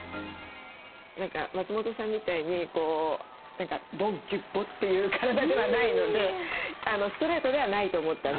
何か松本さんみたいにこうボンキュボッという体ではないのでストレートではないと思ったんですね。